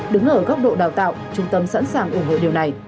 đứng ở góc độ đào tạo trung tâm sẵn sàng ủng hộ điều này